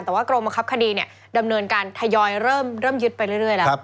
แต่ว่ากรมบังคับคดีดำเนินการทยอยเริ่มยึดไปเรื่อยแล้ว